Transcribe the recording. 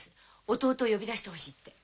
弟を呼び出してほしいって。